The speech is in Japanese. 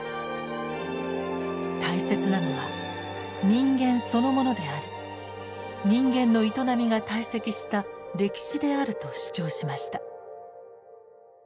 大切なのは人間そのものであり人間の営みが堆積した歴史であると主張しました。